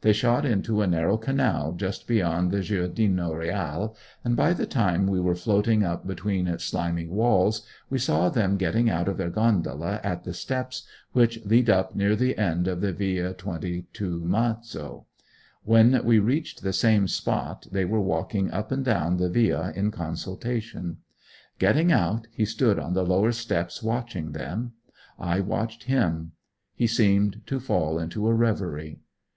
They shot into a narrow canal just beyond the Giardino Reale, and by the time we were floating up between its slimy walls we saw them getting out of their gondola at the steps which lead up near the end of the Via 22 Marzo. When we reached the same spot they were walking up and down the Via in consultation. Getting out he stood on the lower steps watching them. I watched him. He seemed to fall into a reverie.